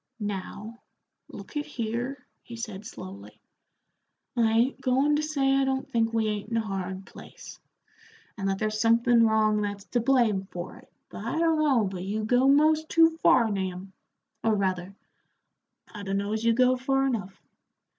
"Now, look at here," he said, slowly, "I ain't goin' to say I don't think we ain't in a hard place, and that there's somethin' wrong that's to blame for it, but I dunno but you go most too far, Nahum; or, rather, I dunno as you go far enough.